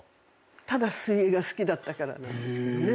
ただ水泳が好きだったからなんですけどね。